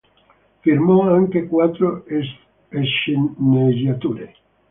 Firmò anche quattro sceneggiature.